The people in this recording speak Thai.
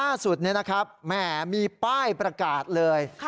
เออนี่ครับล่าสุดมีป้ายประกาศเลย